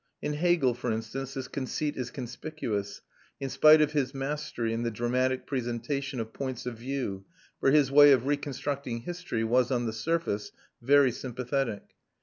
In Hegel, for instance, this conceit is conspicuous, in spite of his mastery in the dramatic presentation of points of view, for his way of reconstructing history was, on the surface, very sympathetic.